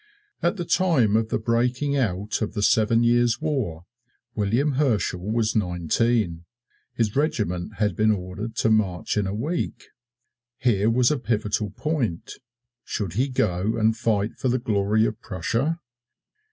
At the time of the breaking out of the Seven Years' War, William Herschel was nineteen. His regiment had been ordered to march in a week. Here was a pivotal point should he go and fight for the glory of Prussia?